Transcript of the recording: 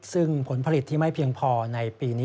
ซึ่งผลผลิตที่ไม่เพียงพอในปีนี้